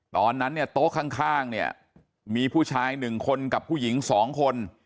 ตอนนั้นเนี่ยโต๊ะข้างข้างเนี่ยมีผู้ชายหนึ่งคนกับผู้หญิงสองคน